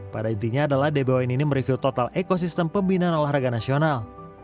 pada intinya adalah dbon ini mereview total ekosistem pembinaan olahraga nasional